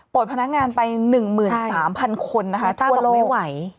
โปรดพนักงานไป๑๓๐๐๐คนนะคะทั่วโลก